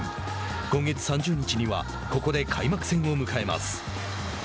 今月３０日にはここで開幕戦を迎えます。